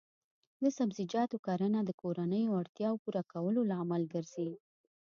د سبزیجاتو کرنه د کورنیو اړتیاوو پوره کولو لامل ګرځي.